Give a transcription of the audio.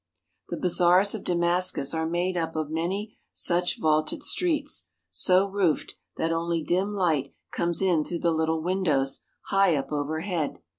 The bazaars of Da mascus are made up of many such vaulted streets so roofed that only dim light comes in through the little windows high up overhead.